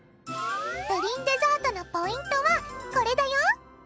プリンデザートのポイントはこれだよ！